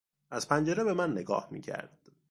از پنجره به من نگاه میکرد.